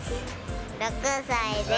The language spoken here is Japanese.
６歳です。